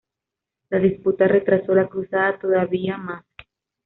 La disputa retrasó la cruzada todavía más.